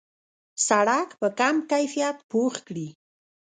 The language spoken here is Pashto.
سړک په کم کیفیت پخ کړي.